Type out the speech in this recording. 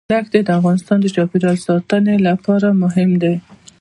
دښتې د افغانستان د چاپیریال ساتنې لپاره مهم دي.